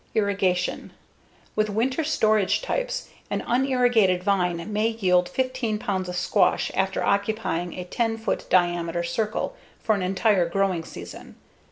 Irrigation: With winter storage types, an unirrigated vine may yield 15 pounds of squash after occupying a 10 foot diameter circle for an entire growing season.